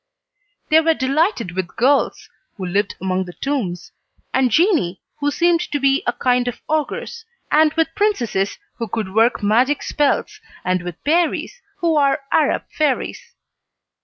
They were delighted with Ghouls (who lived among the tombs) and Geni, who seemed to be a kind of ogres, and with Princesses who work magic spells, and with Peris, who are Arab fairies.